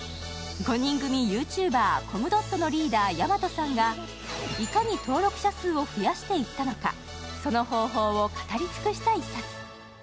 ５人組ＹｏｕＴｕｂｅｒ、コムドットのメンバー、やまとさんがいかに登録者数を増やしていったのか、その方法を語り尽くした一冊。